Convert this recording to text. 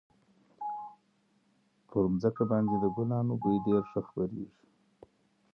پر مځکي باندي د ګلانو بوی ډېر ښه خپرېږي.